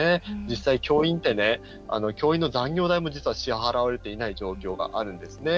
実際、教員の残業代も実は支払われていない状況があるんですね。